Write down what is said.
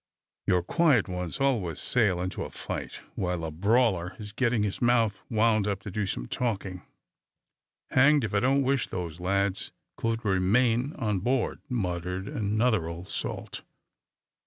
Your quiet ones always sail into a fight while a brawler is getting his mouth wound up to do some talking." "Hanged, if I don't wish them lads could remain on board!" muttered another old salt.